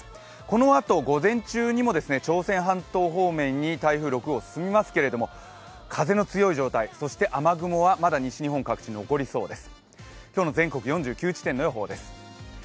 このあと午前中にも朝鮮半島方面に台風６号進みますけれども、風の強い状態、そして雨雲はまだ西日本各地に残りそうです。